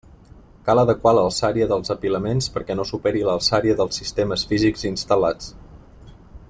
Cal adequar l'alçària dels apilaments perquè no superi l'alçària dels sistemes físics instal·lats.